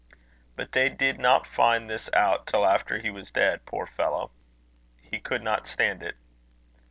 But they did not find this out till after he was dead, poor fellow! He could not stand it.